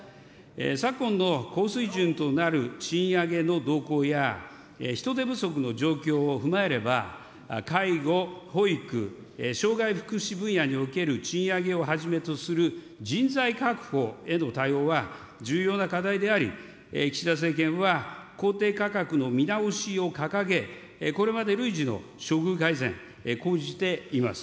昨今の高水準となる賃上げの動向や、人手不足の状況を踏まえれば、介護、保育、障害福祉分野における賃上げをはじめとする人材確保への対応は、重要な課題であり、岸田政権は公定価格の見直しを掲げ、これまで累次の処遇改善講じています。